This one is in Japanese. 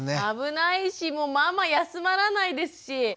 危ないしもうママ休まらないですし。